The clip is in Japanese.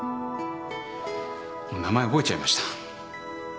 名前覚えちゃいました。